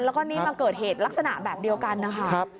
แล้วก็นี่มาเกิดเหตุลักษณะแบบเดียวกันนะคะ